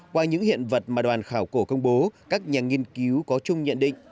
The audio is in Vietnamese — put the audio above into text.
qua những hiện vật mà đoàn khảo cổ công bố các nhà nghiên cứu có chung nhận định